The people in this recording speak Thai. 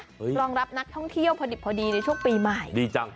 รองรับนักท่องเที่ยวพอดิบพอดีในช่วงปีใหม่ดีจัง